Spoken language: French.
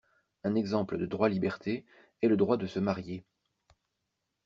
Un exemple de droit-liberté est le droit de se marier.